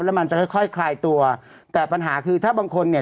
แล้วมันจะค่อยค่อยคลายตัวแต่ปัญหาคือถ้าบางคนเนี่ย